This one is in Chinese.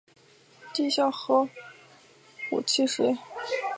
苏联联合地震观测台网亦从当年起率先投入地下核试验监测工作。